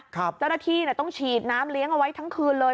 เจ้าหน้าที่ต้องฉีดน้ำเลี้ยงเอาไว้ทั้งคืนเลย